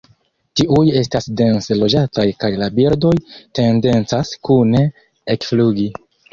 Tiuj estas dense loĝataj kaj la birdoj tendencas kune ekflugi.